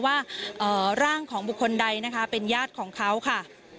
ว่าร่างของบุคคลใดนะคะเป็นญาติของเขาค่ะ